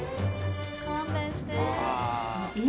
勘弁して。